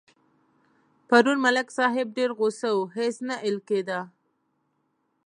پرون ملک صاحب ډېر غوسه و هېڅ نه اېل کېدا.